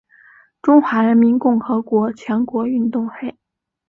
中华人民共和国全国运动会。